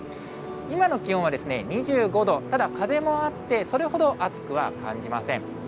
今の気温は２５度、ただ、風もあってそれほど暑くは感じません。